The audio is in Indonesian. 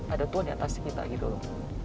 ada tuhan di atas kita gitu loh